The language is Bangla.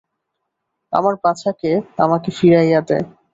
আমার বাছাকে আমাকে ফিরাইয়া দে!